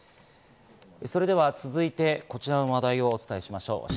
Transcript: それでは続いて、こちらの話題をお伝えしましょう。